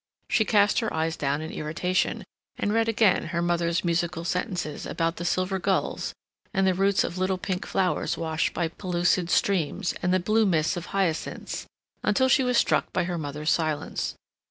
She cast her eyes down in irritation, and read again her mother's musical sentences about the silver gulls, and the roots of little pink flowers washed by pellucid streams, and the blue mists of hyacinths, until she was struck by her mother's silence.